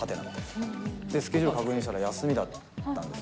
スケジュール確認したら、休みだったんですよ。